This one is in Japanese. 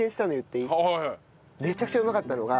めちゃくちゃうまかったのが。